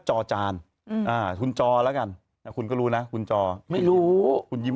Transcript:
จอจานอืมอ่าคุณจอแล้วกันคุณก็รู้นะคุณจอไม่รู้คุณยิ้ม